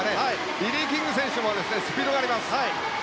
リリー・キング選手もスピードがあります。